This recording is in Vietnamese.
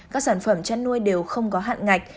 các sản phẩm chăn nuôi đều không có hạn ngạch